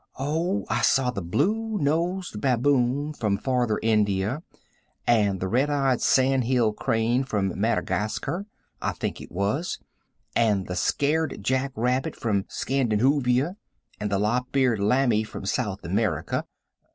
"Oh, I saw the blue nosed baboon from Farther India, and the red eyed sandhill crane from Maddygasker, I think it was, and the sacred Jack rabbit from Scandihoovia, and the lop eared layme from South America.